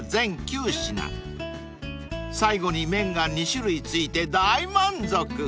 ［最後に麺が２種類付いて大満足］